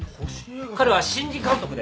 彼は新人監督で。